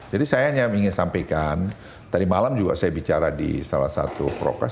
saya hanya ingin sampaikan tadi malam juga saya bicara di salah satu prokes